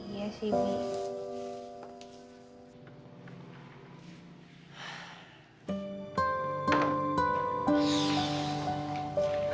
iya sih bi